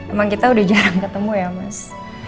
iya sih emang kita udah jarang ketemu ya mas